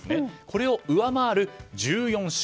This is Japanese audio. これを上回る１４勝。